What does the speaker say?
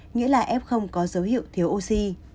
nghĩa là ép không có dấu hiệu thiếu oxy